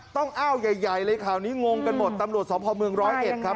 ต้องอ้าวใหญ่เลยคราวนี้งงกันหมดตำรวจสมพเมือง๑๐๑ครับ